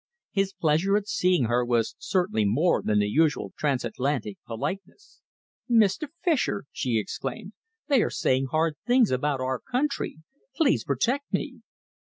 His pleasure at seeing her was certainly more than the usual transatlantic politeness. "Mr. Fischer," she exclaimed, "they are saying hard things about our country! Please protect me."